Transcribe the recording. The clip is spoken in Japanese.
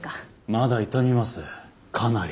まだ痛みますかなり。